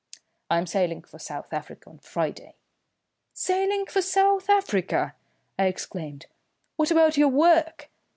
I am sailing for South Africa on Friday." "Sailing for South Africa!" I exclaimed. "What about your work?"